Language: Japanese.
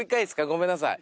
ごめんなさい。